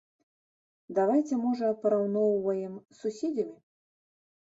Давайце можа параўнаем з суседзямі.